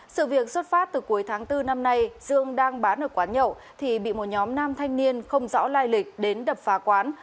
sự việc xuất phát từ cuối tháng bốn năm nay dương đang bán ở quán nhậu thì bị một nhóm nam thanh niên không rõ lai lịch đến đập phá quán